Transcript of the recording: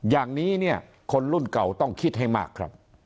อย่างนี้เนี่ยคนรุ่นเก่าต้องคิดให้มากครับ